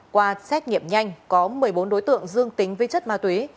qua xét nghiệm nhanh có một mươi bốn đối tượng dương tính với chất ma túy